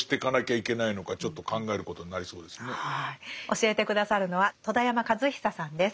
教えて下さるのは戸田山和久さんです。